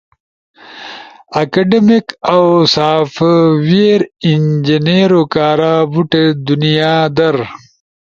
اکیڈمیک اؤ سافٹ ویر انجنیئرو کارا بُوٹ دنیا در